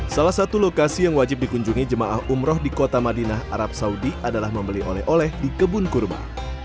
salah satu lokasi yang wajib dikunjungi jemaah umroh di kota madinah arab saudi adalah membeli oleh oleh di kebun kurma